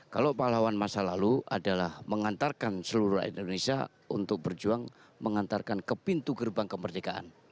kalau pahlawan masa lalu adalah mengantarkan seluruh rakyat indonesia untuk berjuang mengantarkan ke pintu gerbang kemerdekaan